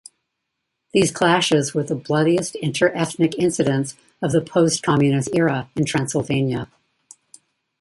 These clashes were the bloodiest inter-ethnic incidents of the post-communist era in Transylvania.